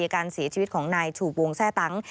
การเสียชีวิตของนายชูวงแทร่ตั้ง